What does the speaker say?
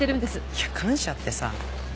いや感謝ってさ。